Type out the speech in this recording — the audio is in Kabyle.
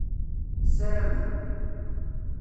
Ssaramen.